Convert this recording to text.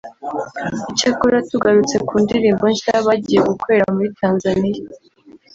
Icyakora tugarutse ku ndirimbo nshya bagiye gukorera muri Tanzania